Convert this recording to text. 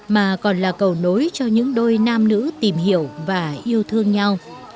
mà còn là cầu nối cho những đôi nam nữ tìm hiểu và yêu thương nhau